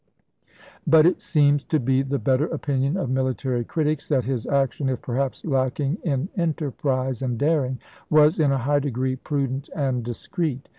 But it seems to be the better opinion of military critics, that his action, if perhaps lacking in enterprise and daring, was in a high degree prudent and discreet.